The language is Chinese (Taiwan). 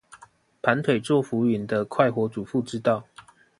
盤腿坐浮雲的快活主婦之道